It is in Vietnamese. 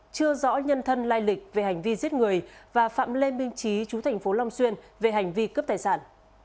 chưa rõ nhân thân lai lịch về hành vi giết người và phạm lê minh trí chú thành phố long xuyên về hành vi cướp tài sản